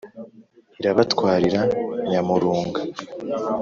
irabatwarira nyamurunga.